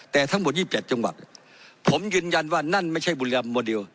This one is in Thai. แต่ทั้งหมด๒๗จังหวัดผมยืนยันว่านั่นไม่ใช่บุรีรำโมเดล